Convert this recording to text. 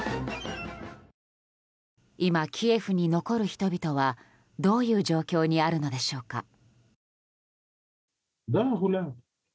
今、キエフに残る人々はどういう状況にあるのでしょうか。